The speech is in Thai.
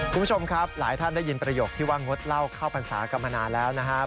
คุณผู้ชมครับหลายท่านได้ยินประโยคที่ว่างดเหล้าเข้าพรรษากันมานานแล้วนะครับ